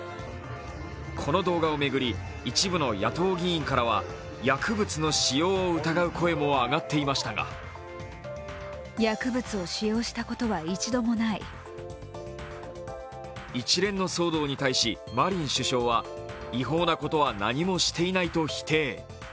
この動画を巡り、一部の野党議員からは薬物の使用を疑う声も上っていましたが一連の騒動に対しマリン首相は違法なことは何もしていないと否定。